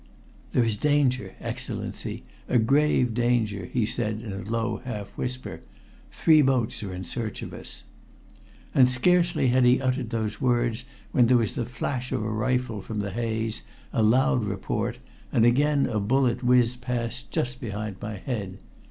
"There is danger, Excellency a grave danger!" he said in a low half whisper. "Three boats are in search of us." And scarcely had he uttered those words when there was the flash of a rifle from the haze, a loud report, and again a bullet whizzed past just behind my head.